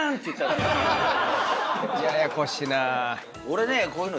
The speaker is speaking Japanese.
俺ね。